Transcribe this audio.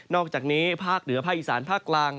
อกจากนี้ภาคเหนือภาคอีสานภาคกลาง